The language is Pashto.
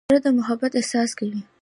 زړه د محبت احساس کوي.